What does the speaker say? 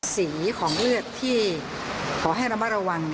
สีของเลือดที่ขอให้ระมัดระวัง